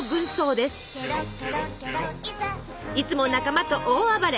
いつも仲間と大暴れ！